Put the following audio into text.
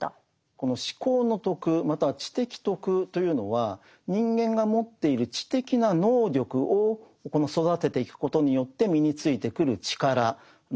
この思考の徳または知的徳というのは人間が持っている知的な能力を育てていくことによって身についてくる力なんです。